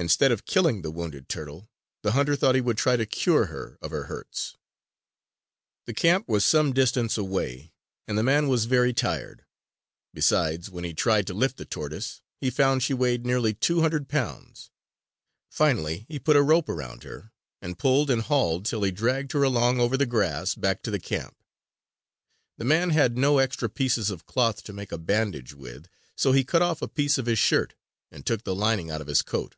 Instead of killing the wounded turtle the hunter thought he would try to cure her of her hurts. [Illustration: "He could not help feeling sorry for the poor turtle...."] The camp was some distance away and the man was very tired. Besides, when he tried to lift the tortoise, he found she weighed nearly two hundred pounds. Finally he put a rope around her, and pulled and hauled till he dragged her along over the grass back to the camp. The man had no extra pieces of cloth to make a bandage with, so he cut off a piece of his shirt and took the lining out of his coat.